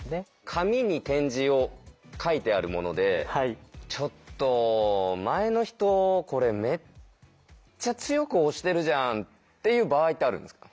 紙に点字を書いてあるもので「ちょっと前の人これめっちゃ強く押してるじゃん」っていう場合ってあるんですか？